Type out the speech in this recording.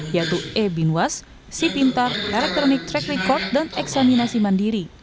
yaitu e binwas si pintar electronic track record dan eksaminasi mandiri